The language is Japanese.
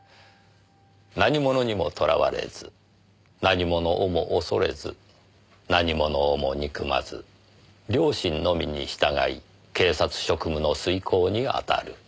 何ものにもとらわれず何ものをも恐れず何ものをも憎まず良心のみに従い警察職務の遂行に当たる。